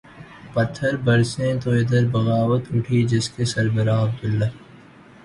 پتھر برسیں تو ادھر بغاوت اٹھی جس کے سربراہ عبداللہ